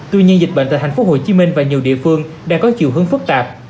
tuy nhiên dịch bệnh tại thành phố hồ chí minh và nhiều địa phương đang có chiều hướng phức tạp